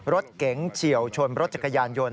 รถเก๋งเฉียวชนรถจักรยานยนต์